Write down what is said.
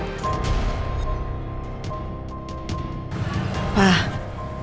pa udahlah pa lupain yang kemarin kemarin